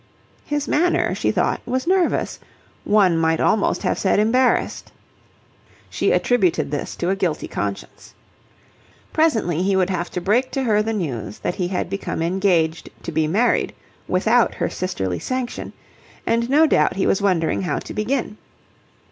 His manner, she thought, was nervous one might almost have said embarrassed. She attributed this to a guilty conscience. Presently he would have to break to her the news that he had become engaged to be married without her sisterly sanction, and no doubt he was wondering how to begin.